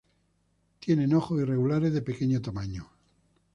Tienen ojos irregulares de pequeño tamaño.